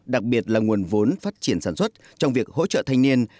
đặc biệt là nguồn vốn phát triển sản xuất trong việc hỗ trợ thanh niên